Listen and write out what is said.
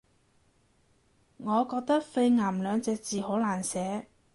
我覺得肺癌兩隻字好難寫